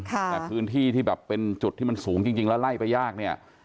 แต่พื้นที่ที่แบบเป็นจุดที่มันสูงจริงแล้วไล่ไปยากเนี่ย